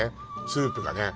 スープがね